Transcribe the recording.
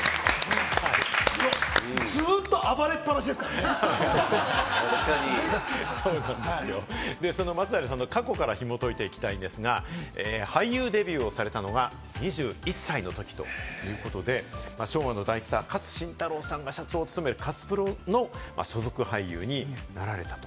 ずっと暴れっぱなしですかその松平さんの過去からひも解いていきたいんですが、俳優デビューをされたのが２１歳のときということで、昭和の大スター・勝新太郎さんが社長を務める勝プロの所属俳優になられたと。